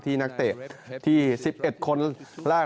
ที่นักเตะที่๑๑คนหลาก